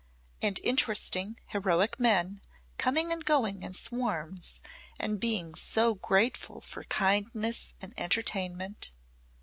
And interesting heroic men coming and going in swarms and being so grateful for kindness and entertainment.